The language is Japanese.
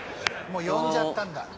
もう呼んじゃったよ